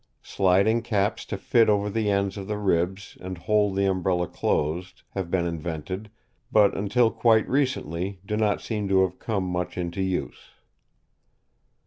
Sliding caps to fit over the ends of the ribs and hold the Umbrella closed, have been invented, but until quite recently do not seem to have come much into use.